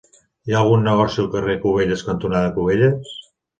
Hi ha algun negoci al carrer Cubelles cantonada Cubelles?